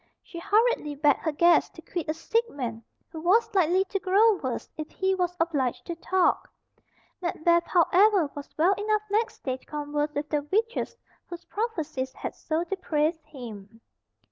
She hurriedly begged her guests to quit a sick man who was likely to grow worse if he was obliged to talk. Macbeth, however, was well enough next day to converse with the witches whose prophecies had so depraved him.